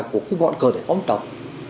của cái ngọn cờ giải phóng tộc